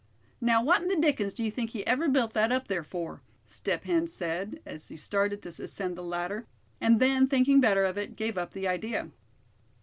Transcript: "Now, what in the dickens do you think he ever built that up there for?" Step Hen said, as he started to ascend the ladder; and then, thinking better of it, gave up the idea.